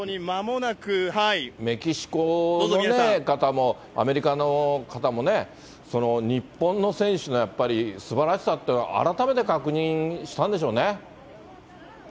メキシコの方もね、アメリカの方もね、日本の選手のやっぱり素晴らしさっていうの、改めて確認したんでしょうね。